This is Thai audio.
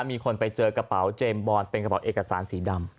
มีคนไปเจอกระเป๋าเจมส์บอลเป็นกระเป๋าเอกสารสีดำ